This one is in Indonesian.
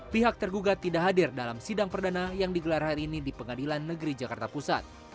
pihak tergugat tidak hadir dalam sidang perdana yang digelar hari ini di pengadilan negeri jakarta pusat